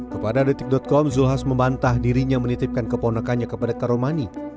kepada detik com zulkifli hasan membantah dirinya menitipkan keponakannya kepada karomani